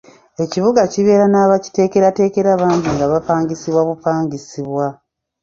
Ekibuga kibeera n'abakiteekerateekera bangi nga bapangisibwa bupangisibwa.